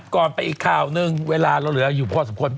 ก่อนไปอีกข่าวหนึ่งเวลาเราเหลืออยู่พอสมควร